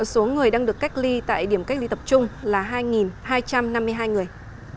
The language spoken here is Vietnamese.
số người đang được cách ly tại điểm cách ly tập trung là hai hai trăm năm mươi hai người